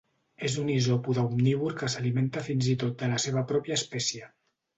És un isòpode omnívor que s'alimenta fins i tot de la seva pròpia espècie.